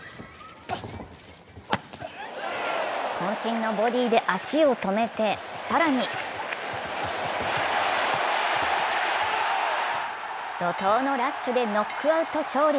こん身のボディーで足を止めて、更に怒とうのラッシュでノックアウト勝利。